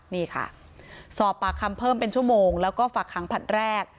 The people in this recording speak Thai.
นี่ค่ะสอบปากคำเพิ่มเป็นชั่วโมงแล้วก็ฝากขังผลัดแรก